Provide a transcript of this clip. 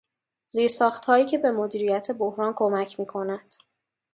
زیرساخت هایی که به مدیریت بحران کمک می کند.